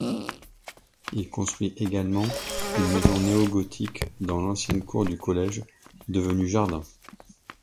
Il construit également une maison néogothique dans l'ancienne cour du collège, devenue jardin.